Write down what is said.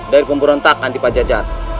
dari pemberontakan di pajajat